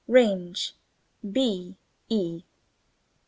Range b e'''.